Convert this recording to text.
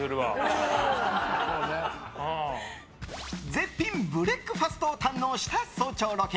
絶品ブレックファストを堪能した早朝ロケ。